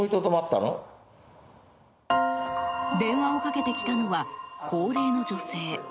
電話をかけてきたのは高齢の女性。